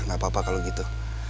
nggak apa apa kalau gitu